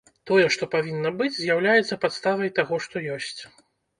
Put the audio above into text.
Тое, што павінна быць, з'яўляецца падставай таго, што ёсць.